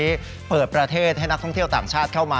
ที่นี้จะเปิดรับประเทศให้ท่องเที่ยวต่างชาติเข้ามา